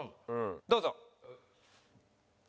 どうぞ。